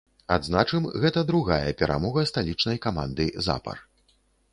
Адзначым, гэта другая перамога сталічнай каманды запар.